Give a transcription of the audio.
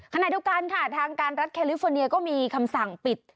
ขณะเดียวกันค่ะทางการรัฐแคลิฟอร์เนียก็มีคำสั่งปิด